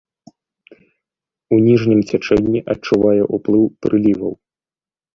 У ніжнім цячэнні адчувае ўплыў прыліваў.